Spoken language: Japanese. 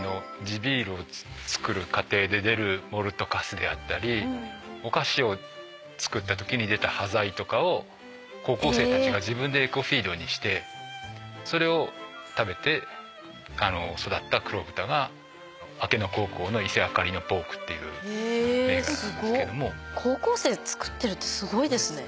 ビールを作る過程で出るモルト粕であったりお菓子を作ったときに出た端材とかを高校生たちが自分でエコフィードにしてそれを食べて育った黒豚が明野高校の伊勢あかりのポークっていう銘柄なんですけども。